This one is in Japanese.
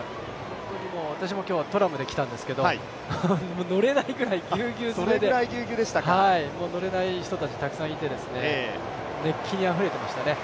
私も今日はトラムできたんですけれども、乗れないくらいぎゅうぎゅうで乗れない人たちがいっぱいで熱気にあふれていましたね。